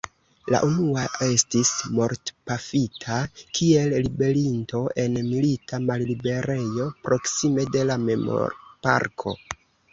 La unua estis mortpafita kiel ribelinto en milita malliberejo proksime de la memorparko.